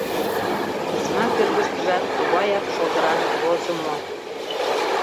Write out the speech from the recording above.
Письма кӧргыштыжат тугаяк шолдыран возымо.